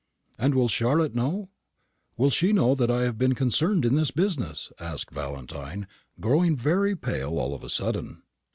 "And will Charlotte know will she know that I have been concerned in this business?" asked Valentine, growing very pale all of sudden.